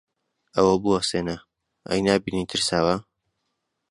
ئەوە بوەستێنە! ئەی نابینی ترساوە؟